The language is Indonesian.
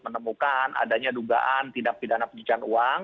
menemukan adanya dugaan tidak pidana penjujuan uang